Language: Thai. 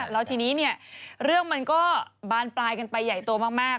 แล้วทีนี้เรื่องมันก็บานปลายกันไปใหญ่โตมาก